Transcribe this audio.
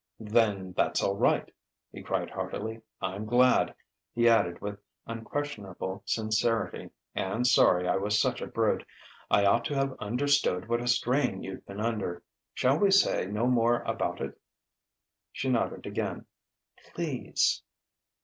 "Then that's all right!" he cried heartily. "I'm glad," he added with unquestionable sincerity "and sorry I was such a brute. I ought to have understood what a strain you'd been under. Shall we say no more about it?" She nodded again: "Please...."